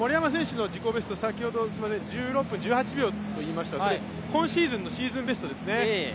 自己ベスト、先ほど１６分１８秒と言いましたが今シーズンのシーズンベストですね。